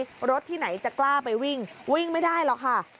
รถที่ไหนจะกล้าไปวิ่งวิ่งไม่ได้หรอกค่ะ